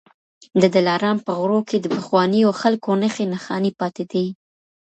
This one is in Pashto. د دلارام په غرو کي د پخوانيو خلکو نښې نښانې پاتې دي